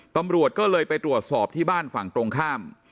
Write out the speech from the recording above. ตำรวจก็เลยไปตรวจสอบที่บ้านฝั่งตรงข้าม